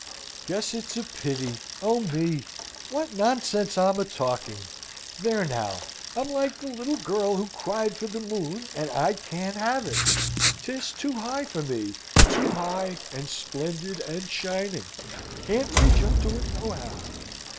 "Guess it's a pity. O me! What nonsense I'm a talking; there now! I'm like the little girl who cried for the moon; and I can't have it. 'Tis too high for me too high and splendid and shining: can't reach up to it nohow.